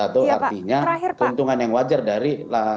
atau artinya keuntungan yang wajar dari